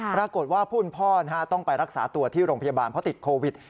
ปรากฏว่าผู้เป็นพ่อต้องไปรักษาตัวที่โรงพยาบาลเพราะติดโควิด